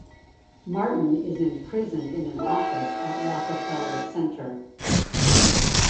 Martin is imprisoned in an office at Rockefeller Center.